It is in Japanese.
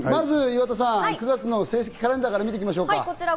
まず岩田さん、９月の成績、カレンダーから見ていきましょう。